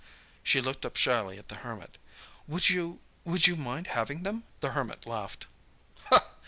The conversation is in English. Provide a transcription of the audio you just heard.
She looked up shyly at the Hermit. "Would you—would you mind having them?" The Hermit laughed.